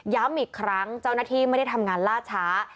อีกครั้งเจ้าหน้าที่ไม่ได้ทำงานล่าช้า